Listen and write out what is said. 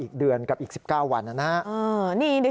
อีกเดือนกับอีก๑๙วันนะครับ